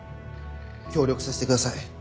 協力させてください